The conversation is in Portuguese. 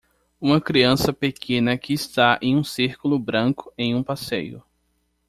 Uma criança pequena que está em um círculo branco em um passeio.